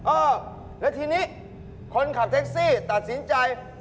เออแล้วทีนี้คนขับแท็กซี่ตัดสินใจ